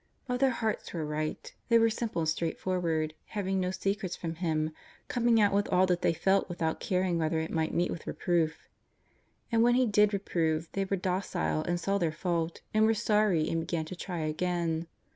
But their hearts were right. They were simple and straightforward, having no se crets from Him, coming out with all that they felt with out caring whether it might meet with a reproof. And when He did reprove, they were docile and saw their fault, and were sorry and began to try again.